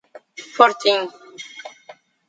Fortim